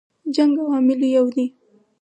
جنګ عواملو یو دی.